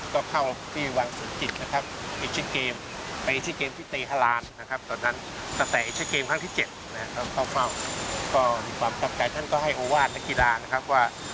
ทั่วเข้าพื้นวันสวัสดิ์ขุมนะครับ